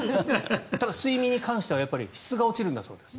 ただ、睡眠に関しては質が落ちるんだそうです。